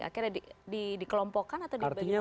akhirnya dikelompokkan atau dibagi artinya